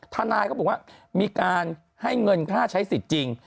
ทนายก็บอกว่ามีการให้เงินค่าใช้สิทธิ์จริง